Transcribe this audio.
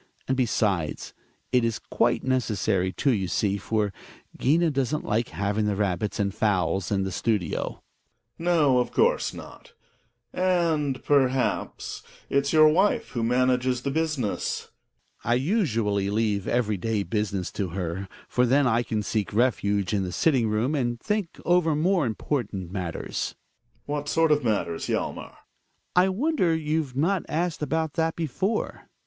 And besides, it is quite neces sary, too, you see, for Gina doesn't like having the rabbits and fowls in the studio. Gregers. No, of course not; and, perhaps, it's your wife who manages the business ? THE WILD DUCK. 73 Hjalmab. I usually leave every day business to her, for then I can seek refuge in the sitting room, and tbink over more important matters. Gregers. What sort of matters, Hjalmar ? Hjalmar. I wonder you've not asked about that before